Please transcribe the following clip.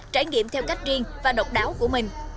trải nghiệm theo cách riêng và độc đáo của mình